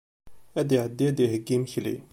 Ad iɛeddi ad iheyyi imekli.